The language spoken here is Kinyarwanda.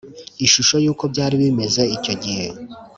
ishusho y’uko byari bimeze icyo gihe